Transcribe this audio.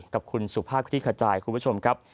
กับคุณสุภาพคลิกขจายคุณผู้ชมครับ